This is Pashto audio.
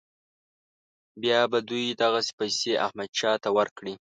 بیا به دوی دغه پیسې احمدشاه ته ورکړي.